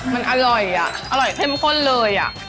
มันอร่อยอ่ะอร่อยเข้มข้นเลย